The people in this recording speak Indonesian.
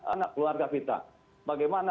anak keluarga kita bagaimana